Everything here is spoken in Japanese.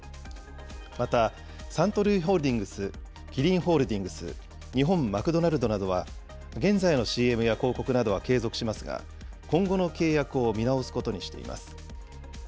また、サントリーホールディングス、キリンホールディングス、日本マクドナルドなどは、現在のＣＭや広告などは継続しますが、今後の契約を見直すことにしています。